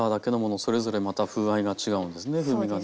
それぞれまた風合いが違うんですね。